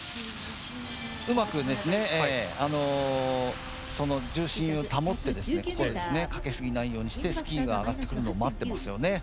うまく重心を保ってかけすぎないようにしてスキーが上がってくるのを待ってますよね。